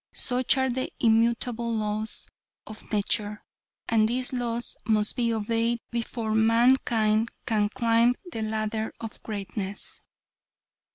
Such are the immutable laws of nature. And these laws must be obeyed before mankind can climb the ladder of greatness.